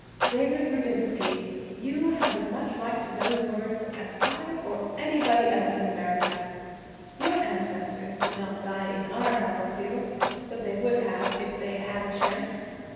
'David Rudinsky, you have as much a right to those words as I or anybody else in America. Your ancestors did not die on our battlefields, but they would have if they'd had a chance.